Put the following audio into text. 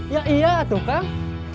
ya iya tuh kang